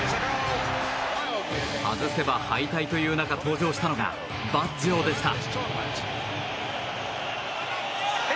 外せば敗退という中登場したのがバッジョでした。